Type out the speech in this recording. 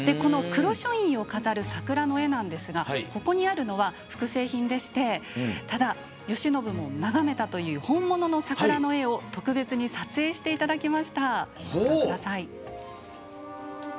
黒書院を飾る桜の絵なんですがここにあるのは複製品でしてただ、慶喜も眺めたという本物の桜の絵を特別に撮影していただきました。